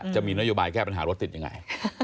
จะมีนโยบายแก้ปัญหารถติดยังไง